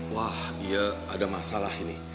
wah iya ada masalah ini